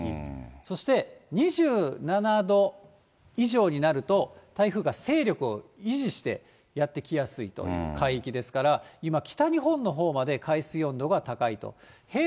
そして２７度以上になると、台風が勢力を維持してやって来やすいという海域ですから、今、北日本のほうまで海水温度が高いと。